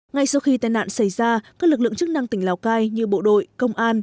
ngay sau khi tai nạn xảy ra các lực lượng chức năng tỉnh lào cai như bộ đội công an